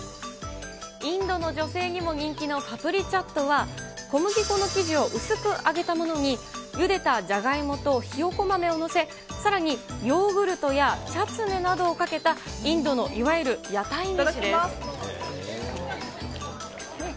インドの女性にも人気のパプリチャットは、小麦粉の生地を薄く揚げたものに、ゆでたジャガイモとひよこ豆を載せ、さらにヨーグルトやチャツネなどをかけたインドのいわゆる屋台めいただきます。